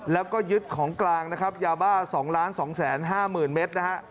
แล้วก็ยึดของกลางนะครับยาบ้า๒๒๕๐๐๐เมตรนะฮะ